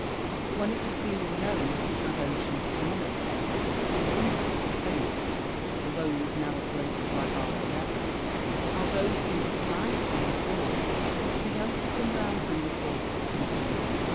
But when it was seen and known that he had oceans of money, it was wonderful to think, although he was now a greater blackguard than ever, how those who despised him before began to come round him and court his company.